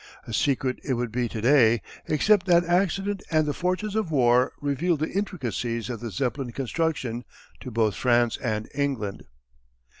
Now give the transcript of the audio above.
A secret it would be to day, except that accident and the fortunes of war revealed the intricacies of the Zeppelin construction to both France and England.